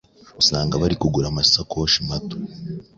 usanga bari kugura amasakoshi mato